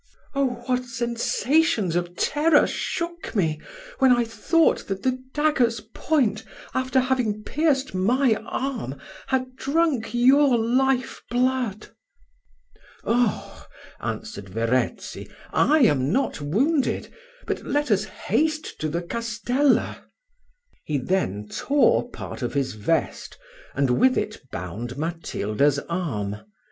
Oh! what sensations of terror shook me, when I thought that the dagger's point, after having pierced my arm, had drunk your life blood." "Oh!" answered Verezzi, "I am not wounded; but let us haste to the castella." He then tore part of his vest, and with it bound Matilda's arm.